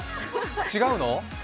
違うの？